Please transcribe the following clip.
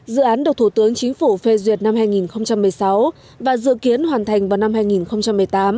dự án được thủ tướng chính phủ phê duyệt năm hai nghìn một mươi sáu và dự kiến hoàn thành vào năm hai nghìn một mươi tám